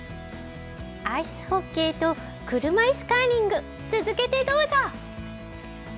アイスホッケーと車いすカーリング、続けてどうぞ。